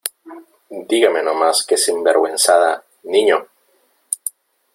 ¡ dígame no más que sinvergüenzada , niño !...